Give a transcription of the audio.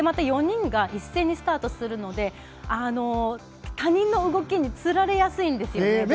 ４人が一斉にスタートするので他人の動きにつられやすいんですよね。